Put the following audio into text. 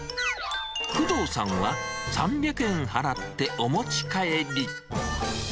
工藤さんは、３００円払ってお持ち帰り。